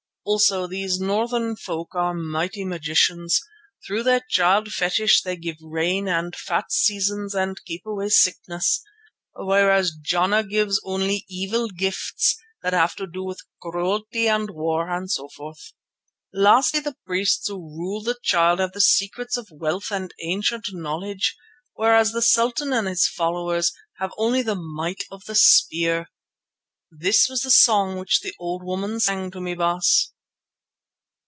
Also these northern folk are mighty magicians. Through their Child fetish they give rain and fat seasons and keep away sickness, whereas Jana gives only evil gifts that have to do with cruelty and war and so forth. Lastly, the priests who rule through the Child have the secrets of wealth and ancient knowledge, whereas the sultan and his followers have only the might of the spear. This was the song which the old woman sang to me, Baas."